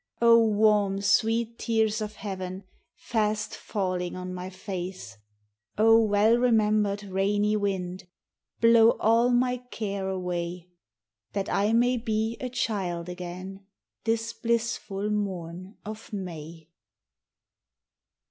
O warm, sweet tears of Heaven, fasl falling on my face! O well remembered, rainy wind, blow all my care away That I .'nay be a child again this blissful morn of May.